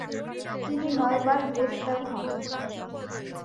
তিনি নয়বার গ্রেফতার হন।